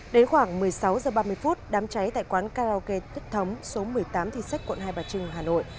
đến khoảng một mươi sáu h ba mươi đám cháy tại quán karaoke thích thống số một mươi tám thị sách quận hai bà trưng hà nội